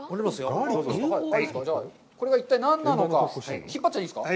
これが一体何なのか、引っ張っちゃっていいんですか！？